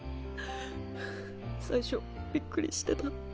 最初びっくりしてた。